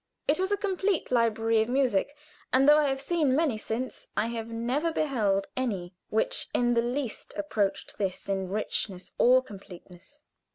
It was a complete library of music, and though I have seen many since, I have never beheld any which in the least approached this in richness or completeness.